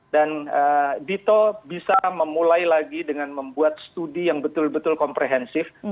dan dito bisa memulai lagi dengan membuat studi yang betul betul komprehensif